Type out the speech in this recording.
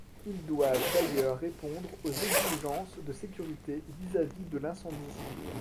Ils doivent d’ailleurs répondre aux exigences de sécurité vis-à-vis de l’incendie.